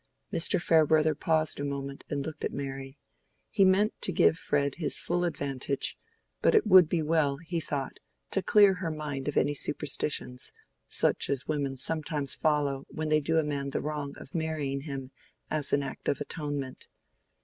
Mr. Farebrother paused a moment and looked at Mary. He meant to give Fred his full advantage, but it would be well, he thought, to clear her mind of any superstitions, such as women sometimes follow when they do a man the wrong of marrying him as an act of atonement.